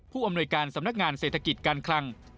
อำนวยการสำนักงานเศรษฐกิจการคลัง